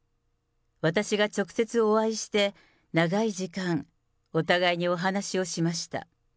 私が直接お会いして、長い時間、お互いにお話をしました。